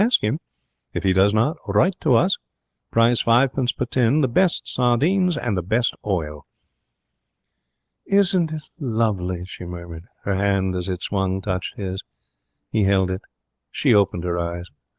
Ask him. If he does not, write to us. Price fivepence per tin. The best sardines and the best oil!"' 'Isn't it lovely?' she murmured. Her hand, as it swung, touched his. He held it. She opened her eyes.